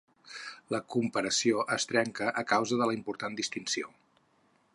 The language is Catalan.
La comparació es trenca a causa de la important distinció.